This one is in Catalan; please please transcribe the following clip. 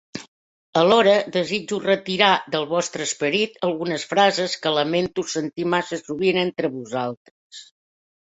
Alhora, desitjo retirar del vostre esperit algunes frases que lamento sentir massa sovint entre vosaltres.